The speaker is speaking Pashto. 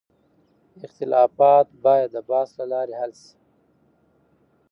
اختلافات باید د بحث له لارې حل شي.